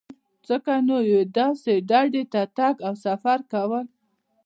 ځکه نو یوې داسې ډډې ته تګ او سفر کول.